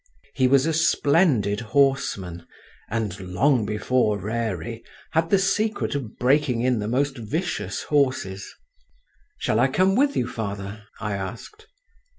He was a splendid horseman, and, long before Rarey, had the secret of breaking in the most vicious horses. "Shall I come with you, father?" I asked.